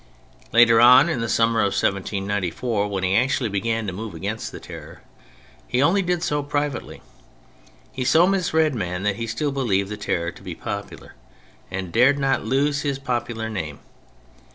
Later on, in the summer of 1794, when he actually began to move against the Terror, he only did so privately. He so misread men that he still believed the Terror to be popular, and dared not lose his popular name.